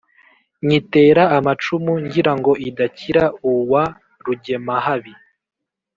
nyitera amacumu ngira ngo idakira uwa rugemahabi,